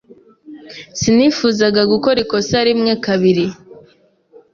Sinifuzaga gukora ikosa rimwe kabiri.